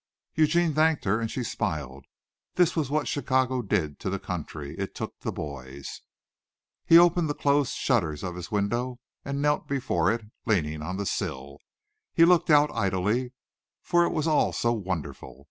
Eugene thanked her, and she smiled. This was what Chicago did to the country. It took the boys. He opened the closed shutters of his window and knelt before it, leaning on the sill. He looked out idly, for it was all so wonderful.